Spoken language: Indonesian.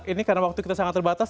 ini karena waktu kita sangat terbatas